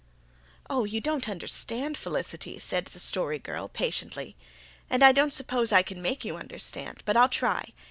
"Oh, you don't understand, Felicity," said the Story Girl patiently. "And I don't suppose I can make you understand. But I'll try.